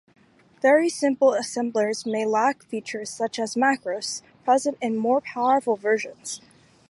Very simple assemblers may lack features, such as macros, present in more powerful versions.